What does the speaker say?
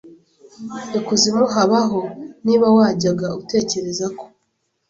I kuzimu habaho niba wajyaga utekereza ko